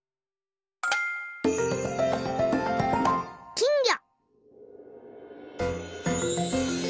きんぎょ。